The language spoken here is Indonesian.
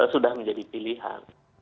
sudah menjadi pilihan